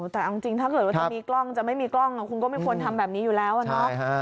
แต่เอาจริงถ้าเกิดว่าจะมีกล้องจะไม่มีกล้องคุณก็ไม่ควรทำแบบนี้อยู่แล้วอะเนาะ